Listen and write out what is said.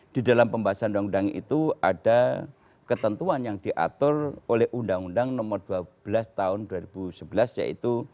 di dalam pembahasan undang undang itu ada ketentuan yang diatur oleh undang undang nomor dua belas tahun dua ribu sebelas yaitu